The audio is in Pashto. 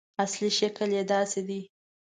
اصلي شکل یې داسې دی.